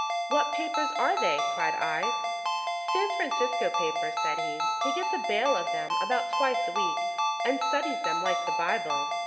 "What papers are they?" cried I. "San Francisco papers," said he. "He gets a bale of them about twice a week, and studies them like the Bible.